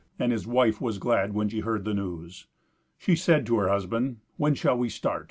And his wife was glad when she heard the news. She said to her husband, "When shall we start?